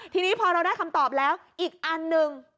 ทีนี้พอเราได้คำตอบแล้วอีกอันหนึ่ง